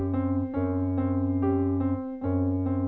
hai banyak rio